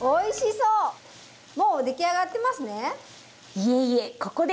いえいえ。